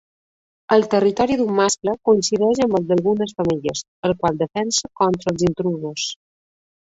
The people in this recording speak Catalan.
El territori d'un mascle coincideix amb el d'algunes femelles, el qual defensa contra els intrusos.